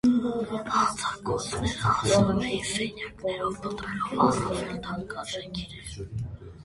Հանցագործները անցնում էին սենյակներով, փնտրելով առավել թանկարժեք իրեր։